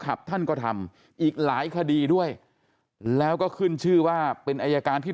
ท่านก็ทำอีกหลายคดีด้วยแล้วก็ขึ้นชื่อว่าเป็นอายการที่